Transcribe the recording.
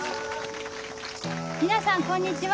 皆さんこんにちは。